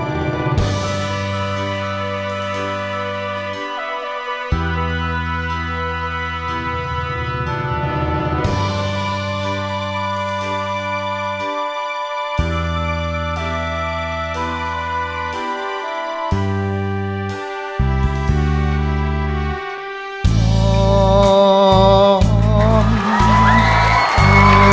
โจ้ขอให้ร้อง